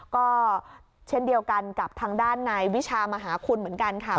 ก็เช่นเดียวกันกับทางด้านนายวิชามหาคุณเหมือนกันค่ะ